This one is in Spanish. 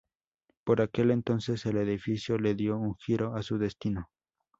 Por aquel entonces el edificio le dio un giro a su destino.